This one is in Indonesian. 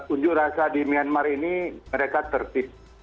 unjuk rasa di myanmar ini mereka tertib